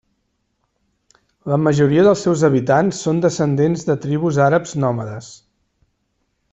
La majoria dels seus habitants són descendents de tribus àrabs nòmades.